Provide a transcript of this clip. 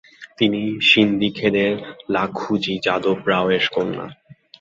তিনি সিন্ধখেদের লাখুজি যাদব রাও এর কন্যা।